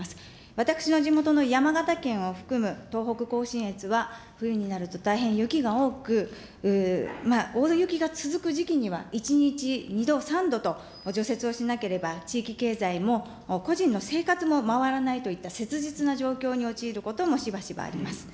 私の地元の山形県を含む東北甲信越は、冬になると大変雪が多く、大雪が続く時期には１日、２度、３度と除雪をしなければ地域経済も個人の生活も回らないといった切実な状況に陥ることもしばしばあります。